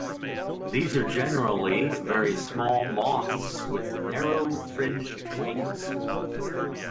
These are generally very small moths with narrow, fringed wings.